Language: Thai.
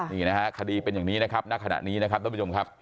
นี่นะฮะคดีเป็นอย่างนี้นะครับณขณะนี้นะครับท่านผู้ชมครับ